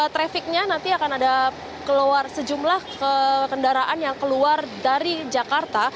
trafiknya nanti akan ada keluar sejumlah kendaraan yang keluar dari jakarta